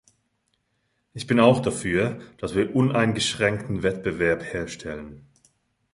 Ich bin auch dafür, dass wir uneingeschränkten Wettbewerb herstellen.